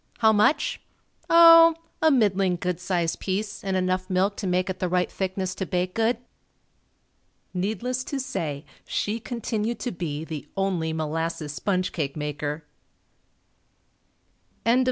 How much? Oh, a middling good sized piece, and enough milk to make it the right thickness to bake good." Needless to say, she continued to be the only molasses sponge cake maker. Mrs. Margaret A. Snyder 1856. Mr.